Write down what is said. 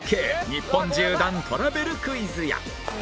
日本縦断トラベルクイズや